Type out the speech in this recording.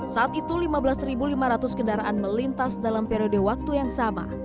saat itu lima belas lima ratus kendaraan melintas dalam periode waktu yang sama